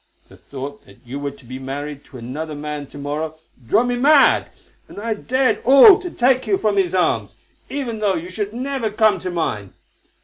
The thought that you were to be married to another man to morrow drove me mad, and I dared all to take you from his arms, even though you should never come to mine.